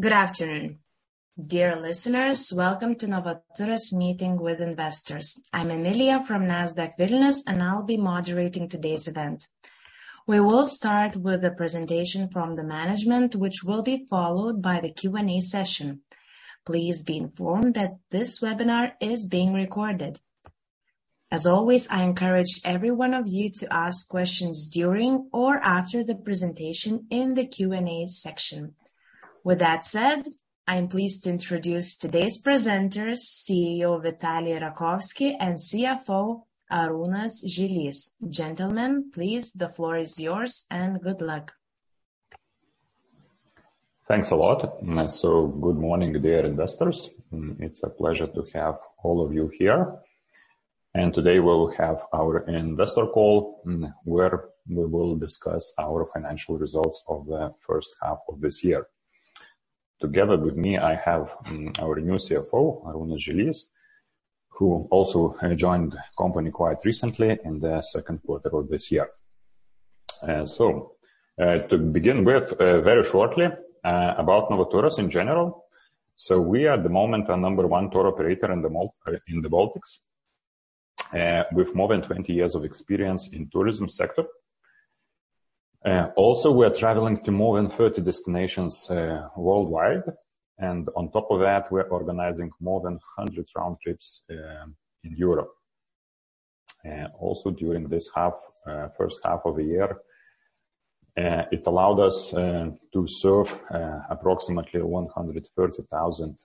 Good afternoon, dear listeners. Welcome to Novaturas' meeting with investors. I'm Emilia from Nasdaq Vilnius, and I'll be moderating today's event. We will start with the presentation from the management, which will be followed by the Q&A session. Please be informed that this webinar is being recorded. As always, I encourage every one of you to ask questions during or after the presentation in the Q&A section. With that said, I'm pleased to introduce today's presenters, CEO Vitalij Rakovski and CFO Arūnas Žilys. Gentlemen, please, the floor is yours, and good luck. Thanks a lot. Good morning, dear investors. It's a pleasure to have all of you here. Today we'll have our investor call, where we will discuss our financial results of the first half of this year. Together with me, I have our new CFO, Arūnas Žilys, who also joined the company quite recently in the second quarter of this year. To begin with, very shortly, about Novaturas in general. We are at the moment number one tour operator in the Baltics, with more than 20 years of experience in tourism sector. Also, we are traveling to more than 30 destinations worldwide. On top of that, we are organizing more than 100 round trips in Europe. Also during this half, first half of the year, it allowed us to serve approximately 130,000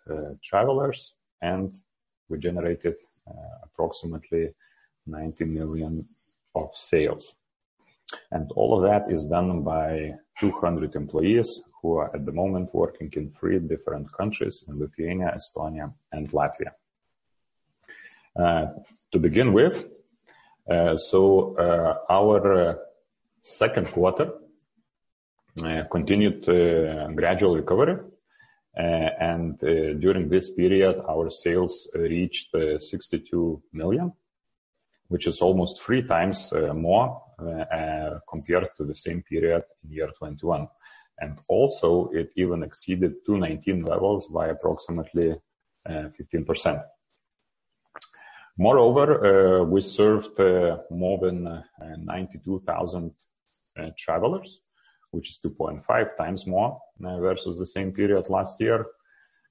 travelers, and we generated approximately 90 million of sales. All of that is done by 200 employees who are at the moment working in three different countries: in Lithuania, Estonia, and Latvia. To begin with, our second quarter continued the gradual recovery. During this period, our sales reached 62 million, which is almost three times more compared to the same period in year 2021. Also it even exceeded 2019 levels by approximately 15%. Moreover, we served more than 92,000 travelers, which is 2.5 times more versus the same period last year,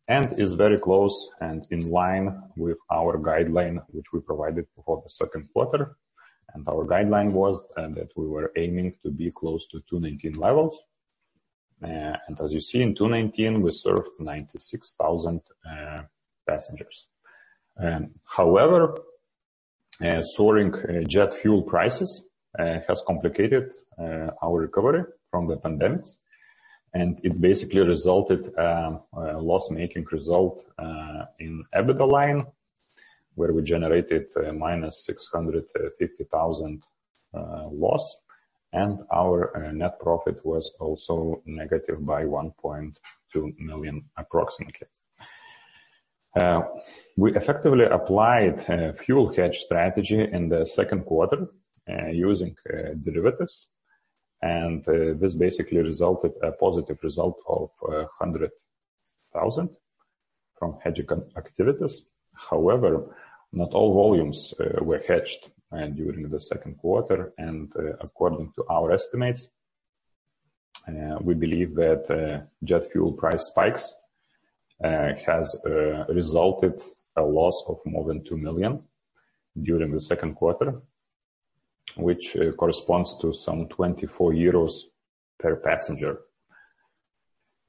and is very close and in line with our guideline, which we provided for the second quarter. Our guideline was that we were aiming to be close to 2019 levels. As you see in 2019, we served 96,000 passengers. However, soaring jet fuel prices has complicated our recovery from the pandemic, and it basically resulted in a loss-making result in EBITDA line, where we generated -650,000 loss, and our net profit was also negative by 1.2 million, approximately. We effectively applied a fuel hedge strategy in the second quarter, using derivatives, and this basically resulted a positive result of 100,000 from hedging activities. However, not all volumes were hedged, and during the second quarter, and according to our estimates, we believe that jet fuel price spikes has resulted a loss of more than 2 million during the second quarter, which corresponds to some 24 euros per passenger.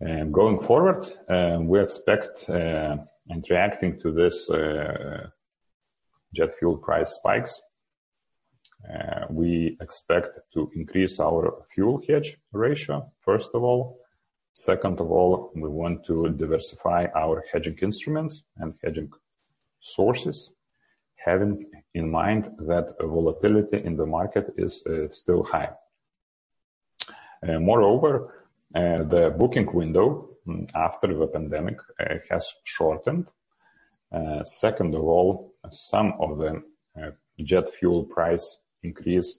Going forward, we expect, and reacting to this jet fuel price spikes, we expect to increase our fuel hedge ratio, first of all. Second of all, we want to diversify our hedging instruments and hedging sources, having in mind that volatility in the market is still high. Moreover, the booking window after the pandemic has shortened. Second of all, some of the jet fuel price increase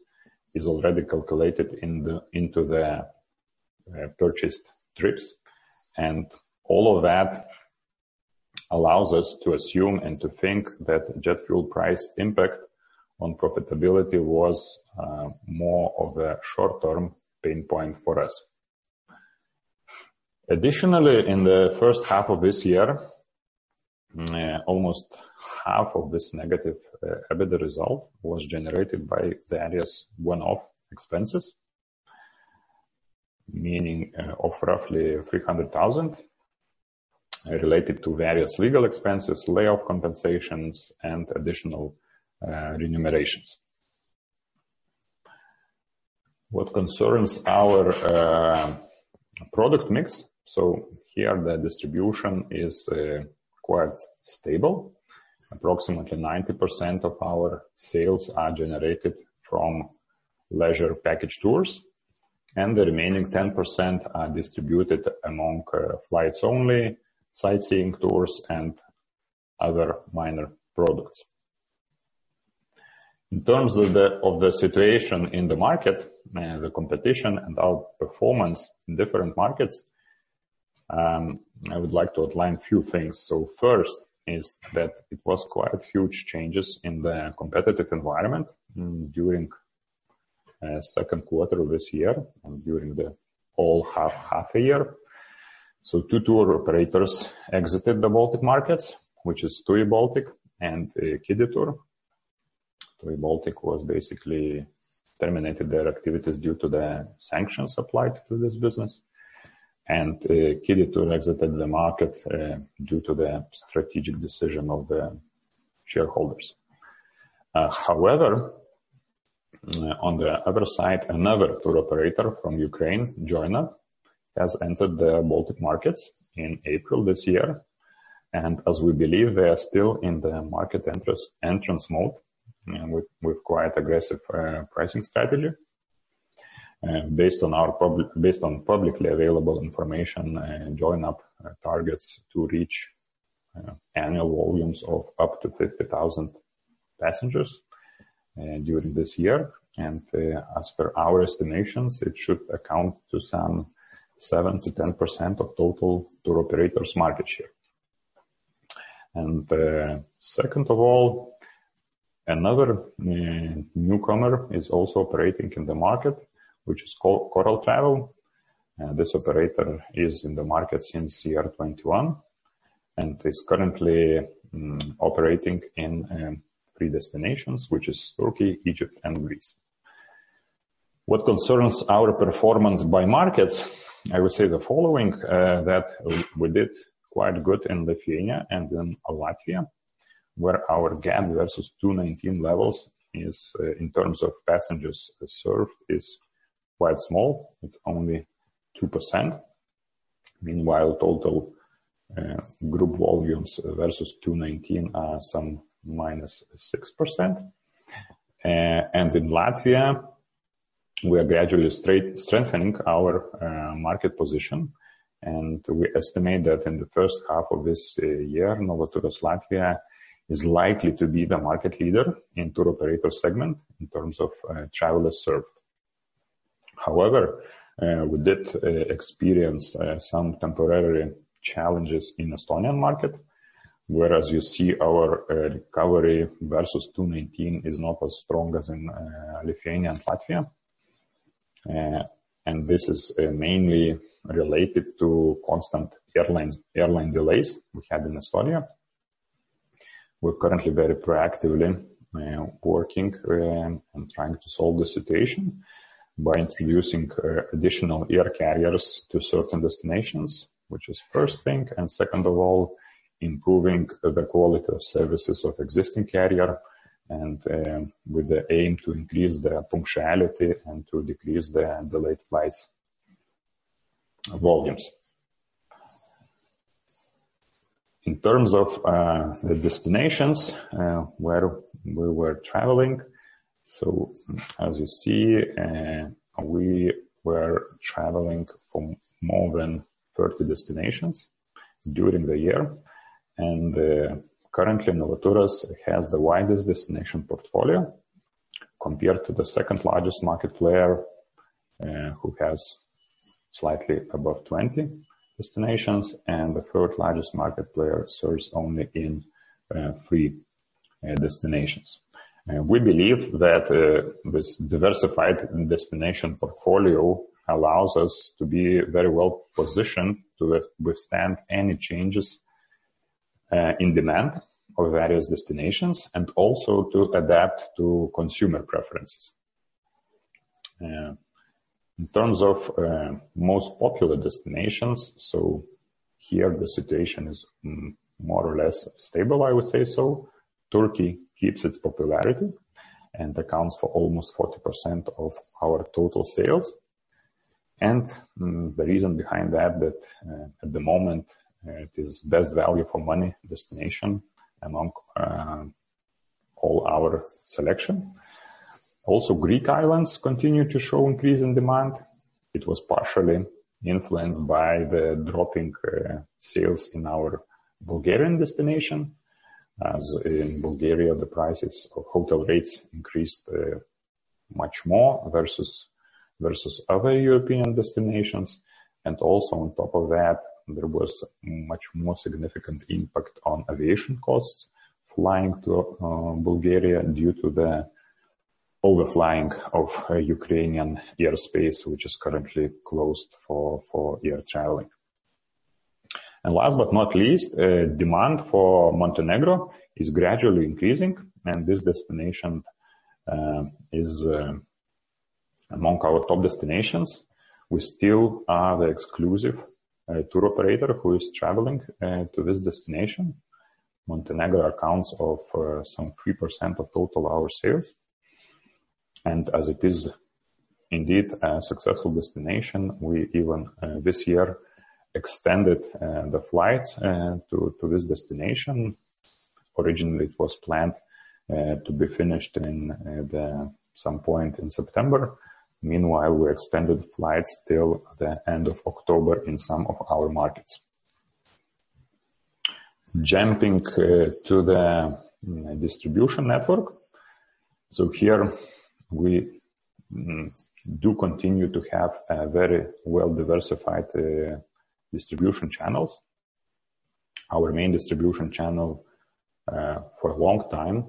is already calculated into the purchased trips. All of that allows us to assume and to think that jet fuel price impact on profitability was more of a short-term pain point for us. Additionally, in the first half of this year, almost half of this negative EBITDA result was generated by the various one-off expenses, meaning of roughly 300,000 related to various legal expenses, layoff compensations and additional remunerations. What concerns our product mix. Here the distribution is quite stable. Approximately 90% of our sales are generated from leisure package tours, and the remaining 10% are distributed among flights only, sightseeing tours, and other minor products. In terms of the situation in the market, the competition and our performance in different markets, I would like to outline a few things. First is that it was quite huge changes in the competitive environment during second quarter of this year and during the whole half a year. 2 tour operators exited the Baltic markets, which is TUI Baltics and Giditure. TUI Baltics was basically terminated their activities due to the sanctions applied to this business. Giditure exited the market due to the strategic decision of the shareholders. However, on the other side, another tour operator from Ukraine, Join UP!, has entered the Baltic markets in April this year. As we believe, they are still in the market entrance mode and with quite aggressive pricing strategy. Based on publicly available information, Join UP! targets to reach annual volumes of up to 50,000 passengers during this year. As per our estimations, it should account for some 7%-10% of total tour operators market share. Second of all, another newcomer is also operating in the market, which is Coral Travel. This operator is in the market since 2021, and is currently operating in three destinations, which is Turkey, Egypt and Greece. What concerns our performance by markets, I would say the following, that we did quite good in Lithuania and in Latvia, where our gap versus 2019 levels is in terms of passengers served quite small. It's only 2%. Meanwhile, total group volumes versus 2019 are some -6%. In Latvia, we are gradually strengthening our market position, and we estimate that in the first half of this year, Novatours SIA is likely to be the market leader in tour operator segment in terms of travelers served. However, we did experience some temporary challenges in Estonian market, whereas you see our recovery versus 2019 is not as strong as in Lithuania and Latvia. This is mainly related to constant airline delays we had in Estonia. We're currently very proactively working and trying to solve the situation by introducing additional air carriers to certain destinations, which is first thing. Second of all, improving the quality of services of existing carrier and with the aim to increase the punctuality and to decrease the delayed flights volumes. In terms of the destinations where we were traveling. As you see, we were traveling from more than 30 destinations during the year. Currently, Novaturas has the widest destination portfolio compared to the second largest market player, who has slightly above 20 destinations, and the third largest market player serves only in three destinations. We believe that this diversified destination portfolio allows us to be very well positioned to withstand any changes in demand of various destinations and also to adapt to consumer preferences. In terms of most popular destinations. Here the situation is more or less stable, I would say so. Turkey keeps its popularity and accounts for almost 40% of our total sales. The reason behind that at the moment it is best value for money destination among all our selection. Also, Greek Islands continue to show increase in demand. It was partially influenced by the dropping sales in our Bulgarian destination, as in Bulgaria, the prices of hotel rates increased much more versus other European destinations. On top of that, there was much more significant impact on aviation costs flying to Bulgaria due to the overflying of Ukrainian airspace, which is currently closed for air traveling. Last but not least, demand for Montenegro is gradually increasing, and this destination is among our top destinations. We still are the exclusive tour operator who is traveling to this destination. Montenegro accounts for some 3% of total our sales. As it is indeed a successful destination, we even this year extended the flights to this destination. Originally, it was planned to be finished at some point in September. Meanwhile, we extended flights till the end of October in some of our markets. Jumping to the distribution network. Here we do continue to have a very well-diversified distribution channels. Our main distribution channel, for a long time,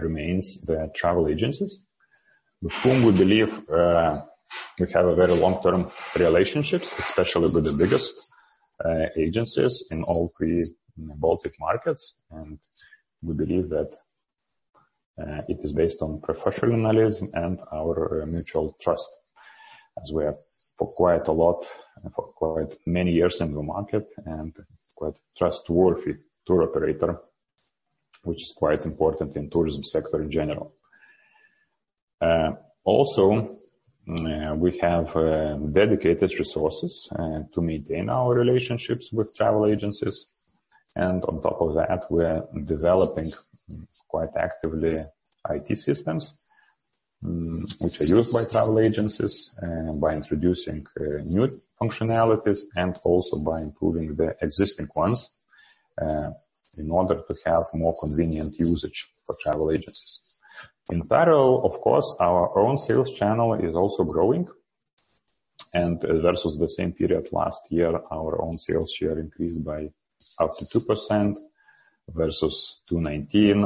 remains the travel agencies, with whom we believe, we have a very long-term relationships, especially with the biggest, agencies in all three Baltic markets. We believe that, it is based on professional analysis and our mutual trust as we have for quite many years in the market and quite trustworthy tour operator, which is quite important in tourism sector in general. Also, we have, dedicated resources, to maintain our relationships with travel agencies. On top of that, we're developing quite actively IT systems, which are used by travel agencies and by introducing, new functionalities and also by improving the existing ones, in order to have more convenient usage for travel agencies. In parallel, of course, our own sales channel is also growing. Versus the same period last year, our own sales share increased by up to 2% versus 2019,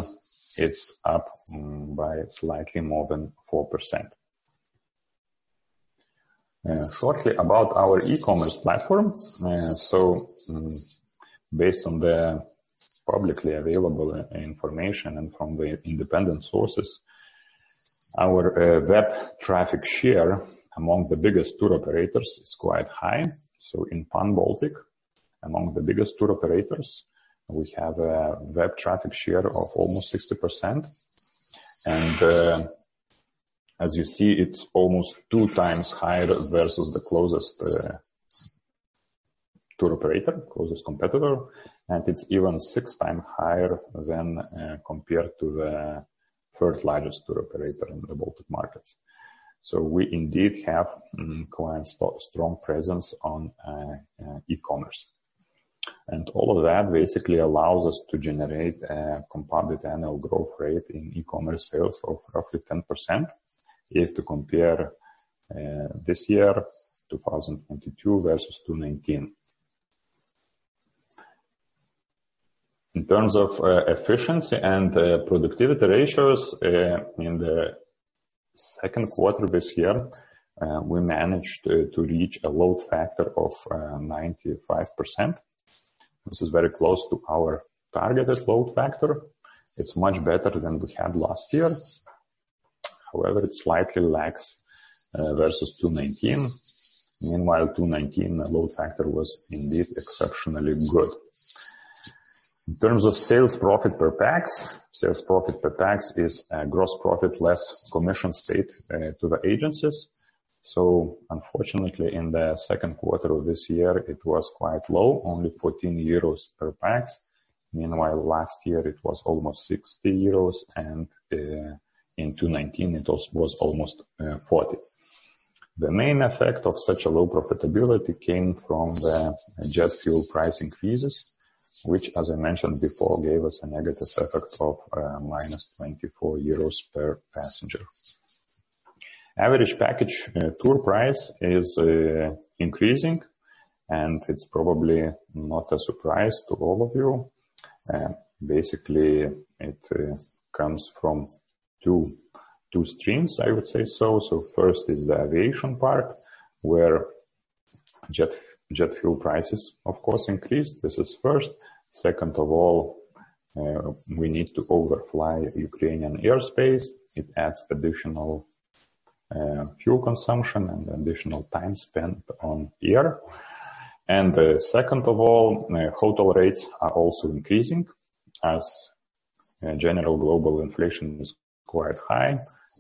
it's up by slightly more than 4%. Shortly about our e-commerce platform. Based on the publicly available information and from the independent sources, our web traffic share among the biggest tour operators is quite high. In Pan Baltic, among the biggest tour operators, we have a web traffic share of almost 60%. As you see, it's almost 2 times higher versus the closest tour operator, closest competitor, and it's even six times higher than compared to the third largest tour operator in the Baltic markets. We indeed have quite strong presence on e-commerce. All of that basically allows us to generate a compounded annual growth rate in e-commerce sales of roughly 10% compared to this year, 2022 versus 2019. In terms of efficiency and productivity ratios, in the second quarter this year, we managed to reach a load factor of 95%. This is very close to our targeted load factor. It's much better than we had last year. However, it slightly lags versus 2019. Meanwhile, 2019, the load factor was indeed exceptionally good. In terms of sales profit per pax. Sales profit per pax is a gross profit less commission paid to the agencies. Unfortunately, in the second quarter of this year, it was quite low, only 14 euros per pax. Meanwhile, last year it was almost 60 euros, and in 2019 it was almost 40. The main effect of such a low profitability came from the jet fuel price increases, which, as I mentioned before, gave us a negative effect of minus 24 euros per passenger. Average package tour price is increasing, and it's probably not a surprise to all of you. Basically, it comes from two streams, I would say so. First is the aviation part, where jet fuel prices, of course, increased. This is first. Second of all, we need to overfly Ukrainian airspace. It adds additional fuel consumption and additional time spent on air. Second of all, hotel rates are also increasing as general global inflation is quite high,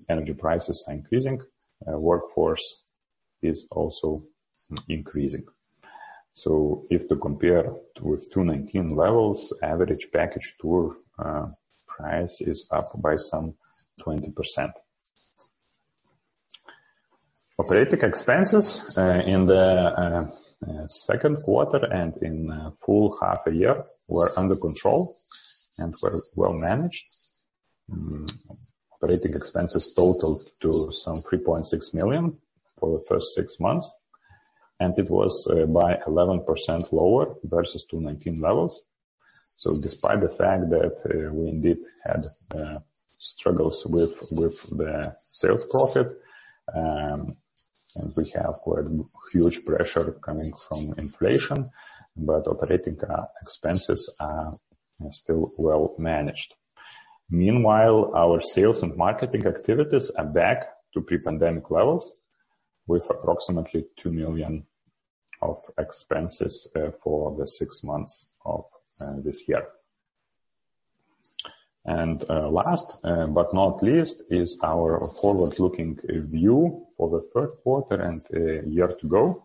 energy prices are increasing, workforce is also increasing. If to compare with 2019 levels, average package tour price is up by some 20%. Operating expenses in the second quarter and in full half a year were under control and were well managed. Operating expenses totaled to some 3.6 million for the first six months, and it was by 11% lower versus 2019 levels. Despite the fact that we indeed had struggles with the sales profit and we have quite huge pressure coming from inflation, operating expenses are still well managed. Meanwhile, our sales and marketing activities are back to pre-pandemic levels with approximately 2 million of expenses for the six months of this year. Last but not least, is our forward-looking view for the third quarter and year to go.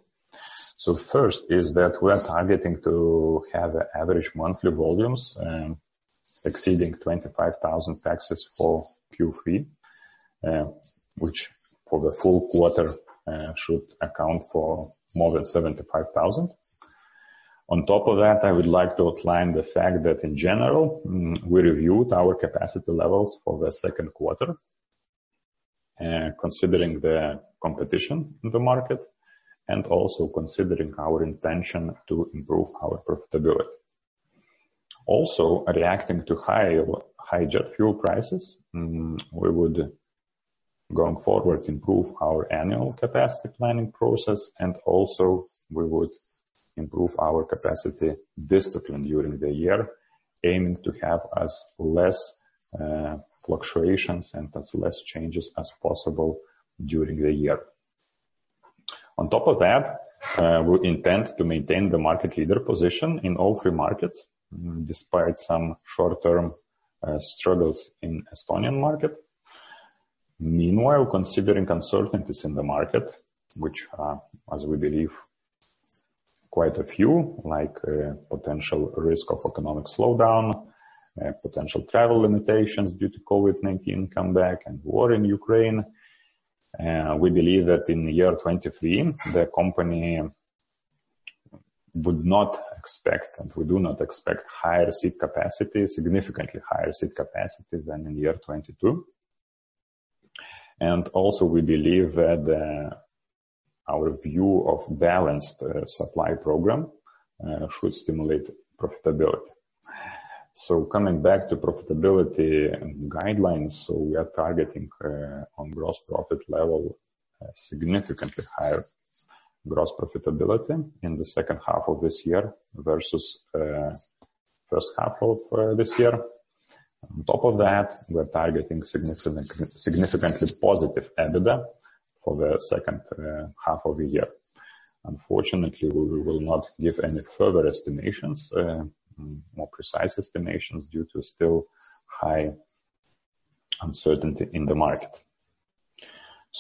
First is that we are targeting to have average monthly volumes exceeding 25,000 pax for Q3, which for the full quarter should account for more than 75,000. On top of that, I would like to outline the fact that in general we reviewed our capacity levels for the second quarter. Considering the competition in the market and also considering our intention to improve our profitability. Reacting to high jet fuel prices, we would going forward improve our annual capacity planning process. Also we would improve our capacity discipline during the year, aiming to have as less fluctuations and as less changes as possible during the year. On top of that, we intend to maintain the market leader position in all three markets, despite some short-term struggles in Estonian market. Meanwhile, considering uncertainties in the market, which, as we believe quite a few, potential risk of economic slowdown, potential travel limitations due to COVID-19 comeback and war in Ukraine. We believe that in the year 2023, the company would not expect, and we do not expect significantly higher seat capacity than in year 2022. Also we believe that our view of balanced supply program should stimulate profitability. Coming back to profitability and guidelines. We are targeting on gross profit level significantly higher gross profitability in the second half of this year versus first half of this year. On top of that, we're targeting significantly positive EBITDA for the second half of the year. Unfortunately, we will not give any further estimations, more precise estimations due to still high uncertainty in the market.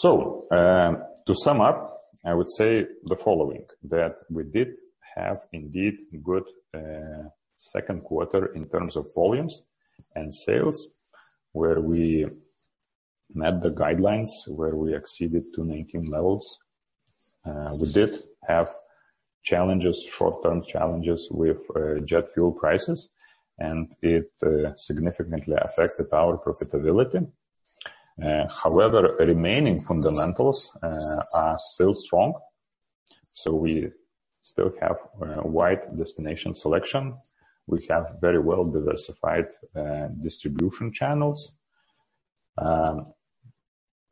To sum up, I would say the following, that we did have indeed good second quarter in terms of volumes and sales, where we met the guidelines, where we exceeded 2019 levels. We did have challenges, short-term challenges with jet fuel prices, and it significantly affected our profitability. However, remaining fundamentals are still strong, so we still have wide destination selection. We have very well diversified distribution channels.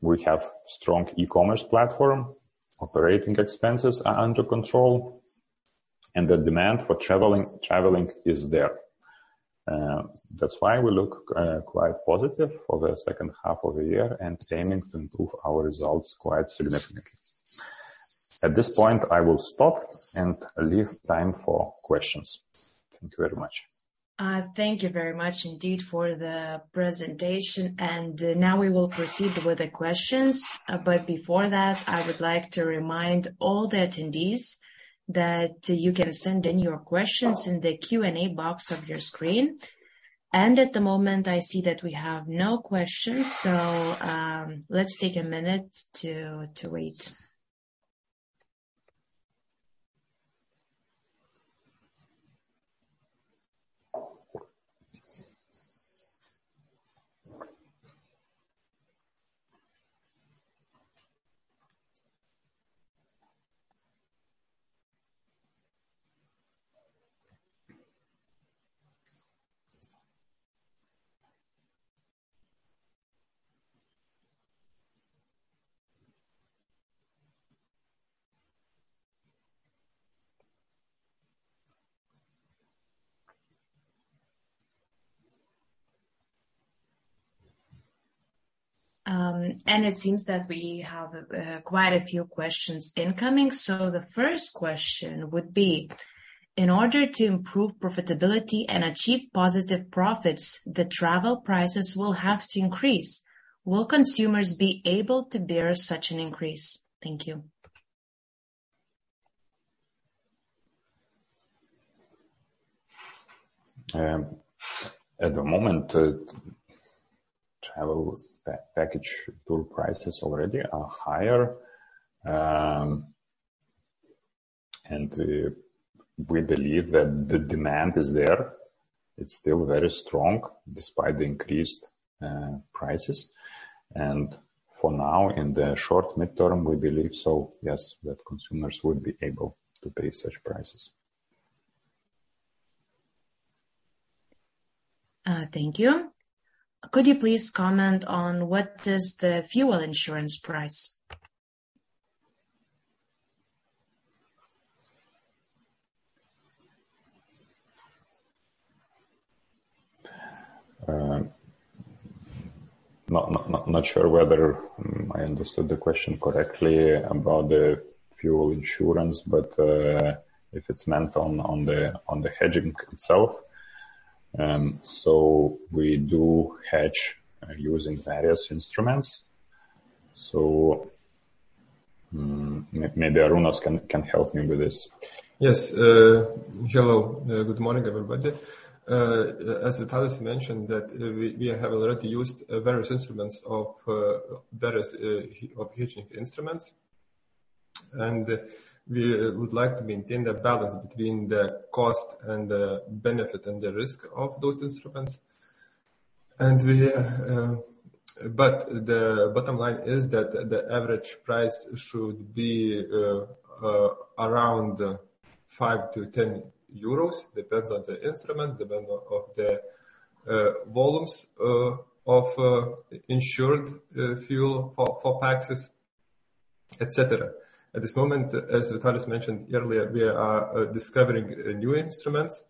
We have strong e-commerce platform. Operating expenses are under control. The demand for traveling is there. That's why we look quite positive for the second half of the year and aiming to improve our results quite significantly. At this point, I will stop and leave time for questions. Thank you very much. Thank you very much indeed for the presentation. Now we will proceed with the questions. Before that, I would like to remind all the attendees that you can send in your questions in the Q&A box of your screen. At the moment I see that we have no questions. Let's take a minute to wait. It seems that we have quite a few questions incoming. The first question would be: In order to improve profitability and achieve positive profits, the travel prices will have to increase. Will consumers be able to bear such an increase? Thank you. At the moment, travel package tour prices already are higher. We believe that the demand is there. It's still very strong despite the increased prices. For now, in the short mid-term, we believe so, yes, that consumers would be able to pay such prices. Thank you. Could you please comment on what is the fuel insurance price? Not sure whether I understood the question correctly about the fuel insurance, but if it's meant on the hedging itself. We do hedge using various instruments. Maybe Arūnas can help me with this. Yes. Hello. Good morning, everybody. As Vytautas mentioned that, we have already used various hedging instruments. We would like to maintain the balance between the cost and the benefit and the risk of those instruments. The bottom line is that the average price should be around 5-10 euros, depends on the instrument, depend on the volumes of insured fuel for taxes, et cetera. At this moment, as Vytautas mentioned earlier, we are discovering new instruments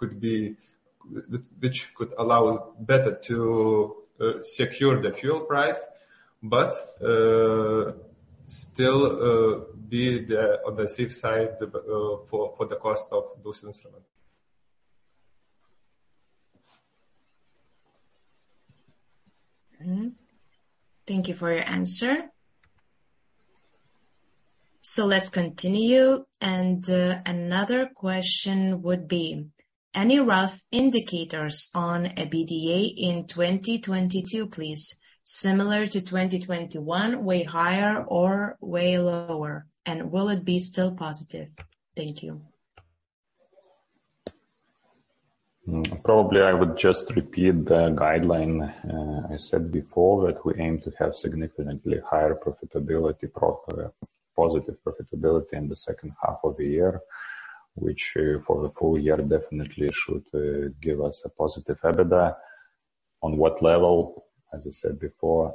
which could allow better to secure the fuel price, but still be on the safe side for the cost of those instruments. Mm-hmm. Thank you for your answer. Let's continue. Another question would be: any rough indicators on EBITDA in 2022, please? Similar to 2021, way higher or way lower? Will it be still positive? Thank you. Probably I would just repeat the guideline I said before, that we aim to have significantly higher profitability, positive profitability in the second half of the year, which for the full year definitely should give us a positive EBITDA. On what level? As I said before,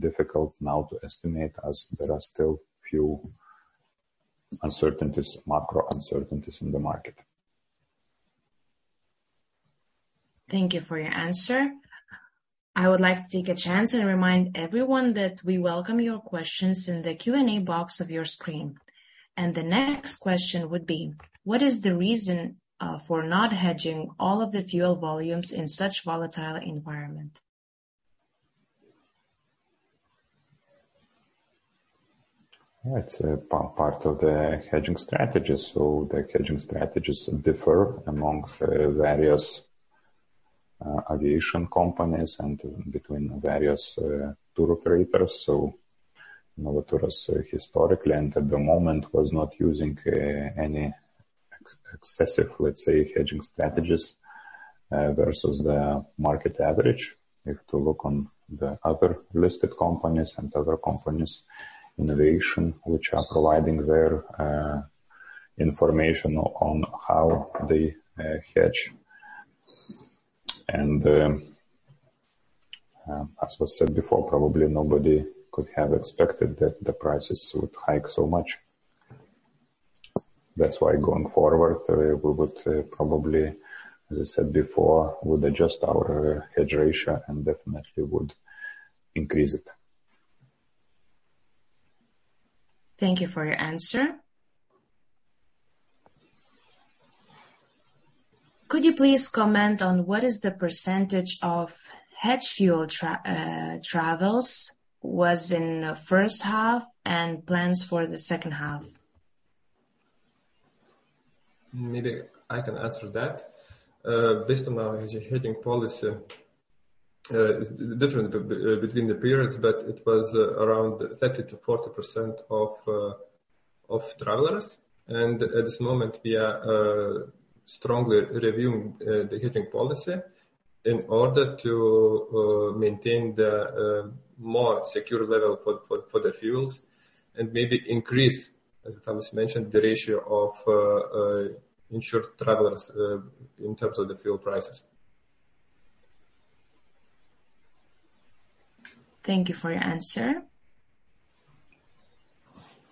difficult now to estimate as there are still few uncertainties, macro uncertainties in the market. Thank you for your answer. I would like to take a chance and remind everyone that we welcome your questions in the Q&A box of your screen. The next question would be: what is the reason for not hedging all of the fuel volumes in such volatile environment? It's a part of the hedging strategy. The hedging strategies differ among various aviation companies and between the various tour operators. Novaturas historically and at the moment was not using any excessive, let's say, hedging strategies versus the market average. If to look on the other listed companies and other companies in aviation which are providing their information on how they hedge. As was said before, probably nobody could have expected that the prices would hike so much. That's why going forward we would probably, as I said before, would adjust our hedge ratio and definitely would increase it. Thank you for your answer. Could you please comment on what is the percentage of hedged fuel travels was in first half and plans for the second half? Maybe I can answer that. Based on our hedging policy, the difference between the periods, but it was around 30%-40% of travelers. At this moment, we are strongly reviewing the hedging policy in order to maintain the more secure level for the fuels and maybe increase, as Vytautas mentioned, the ratio of insured travelers in terms of the fuel prices. Thank you for your answer.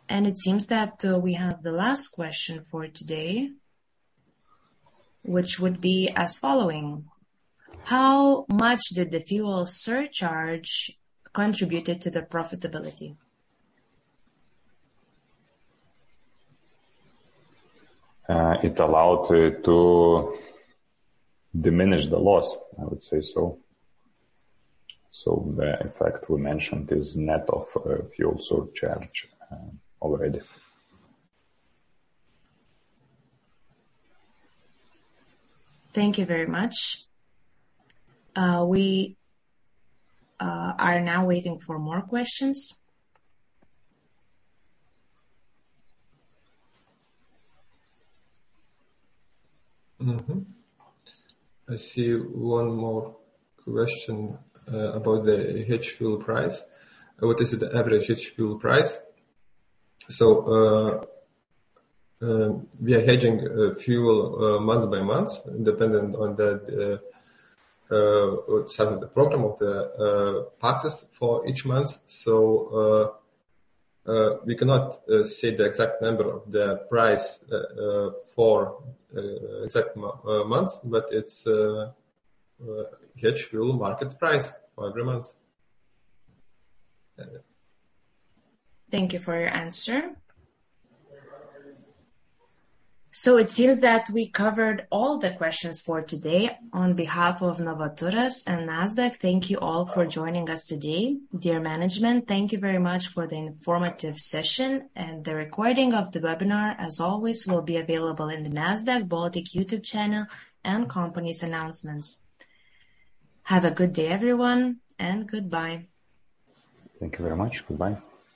It seems that, we have the last question for today, which would be as follows: how much did the fuel surcharge contribute to the profitability? It allowed to diminish the loss, I would say so. The effect we mentioned is net of fuel surcharge already. Thank you very much. We are now waiting for more questions. I see one more question about the hedged fuel price. What is the average hedged fuel price? We are hedging fuel month by month, dependent on the size of the program of the taxes for each month. We cannot say the exact number of the price for exact months, but it's hedged fuel market price for every month. Thank you for your answer. It seems that we covered all the questions for today. On behalf of Novaturas and Nasdaq, thank you all for joining us today. Dear management, thank you very much for the informative session. The recording of the webinar, as always, will be available in the Nasdaq Baltic YouTube channel and company's announcements. Have a good day, everyone, and goodbye. Thank you very much. Goodbye.